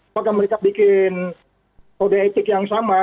apakah mereka bikin kode etik yang sama